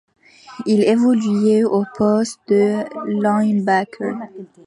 Il évoluait au poste de linebacker.